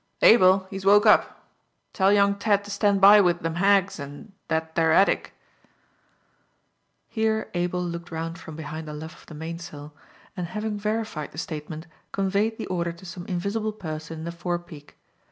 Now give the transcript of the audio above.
Abel! he's woke up. Tell young Ted to stand by with them heggs and that there 'addick." Here Abel looked round from behind the luff of the mainsail, and having verified the statement, conveyed the order to some invisible person in the fore peak.